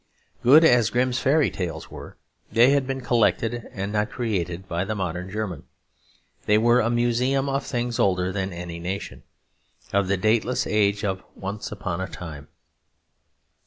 Good as Grimm's Fairy Tales were, they had been collected and not created by the modern German; they were a museum of things older than any nation, of the dateless age of once upon a time.